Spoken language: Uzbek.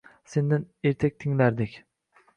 Sendan ertak tinglardik